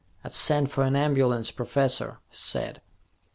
"I've sent for an ambulance, Professor," he said.